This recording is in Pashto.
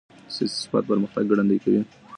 سياسي ثبات پرمختګ ګړندی کوي.